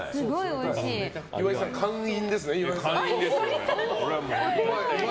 岩井さん、完飲ですね。